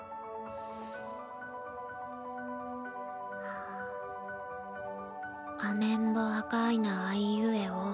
はぁ「あめんぼあかいなあいうえお。